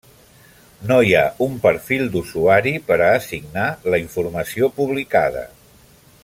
No hi ha un perfil d'usuari per a assignar la informació publicada.